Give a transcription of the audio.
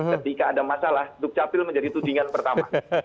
ketika ada masalah duk capil menjadi tudingan pertama